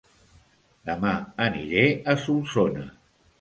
Dema aniré a Solsona